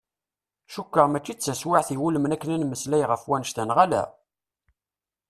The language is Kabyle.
Cukkuɣ mačči d taswiεt iwulmen akken ad nmeslay ɣef annect-n, neɣ ala?